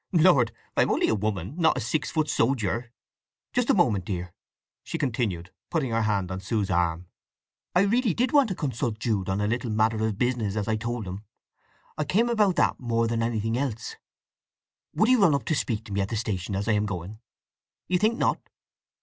"Lord, I am only a woman—not a six foot sojer! … Just a moment, dear," she continued, putting her hand on Sue's arm. "I really did want to consult Jude on a little matter of business, as I told him. I came about that more than anything else. Would he run up to speak to me at the station as I am going? You think not.